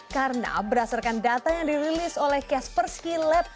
karena berdasarkan data yang dirilis oleh kaspersky lab